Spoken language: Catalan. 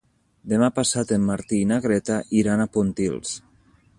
Demà passat en Martí i na Greta iran a Pontils.